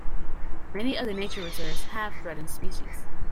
Many of the nature reserves have threatened species.